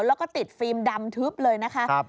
แล้วก็ติดฟิล์มดำทึบเลยนะคะ